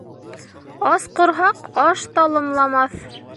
Ас ҡорһаҡ аш талымламаҫ.